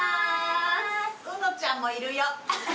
うのちゃんもいるよ。